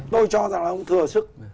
tôi cho rằng ông ấy thừa sức